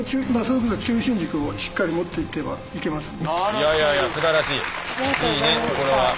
いやいやいやすばらしい。